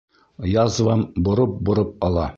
Язвам бороп-бороп ала!